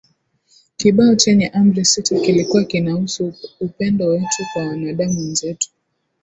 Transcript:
kibao chenye Amri sita kilikuwa kinahusu Upendo wetu kwa wanadamu wenzetu